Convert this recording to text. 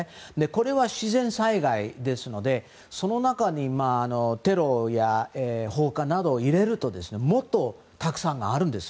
これは自然災害ですのでその中にテロや放火などを入れるともっとたくさんあるんです。